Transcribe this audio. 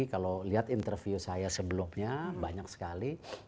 kalau lihat interview saya sebelumnya banyak sekali